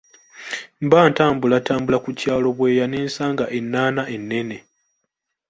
Mba ntambulatambula ku kyalo bweya ne nsanga ennaana ennene.